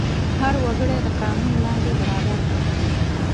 هر وګړی د قانون لاندې برابر دی.